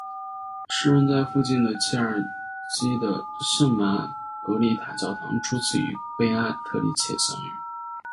诗人在附近的切尔基的圣玛格丽塔教堂初次与贝阿特丽切相遇。